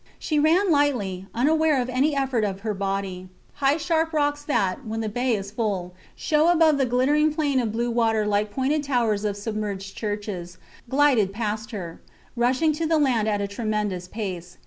She ran lightly, unaware of any effort of her body. High sharp rocks that, when the bay is full, show above the glittering plain of blue water like pointed towers of submerged churches, glided past her, rushing to the land at a tremendous pace.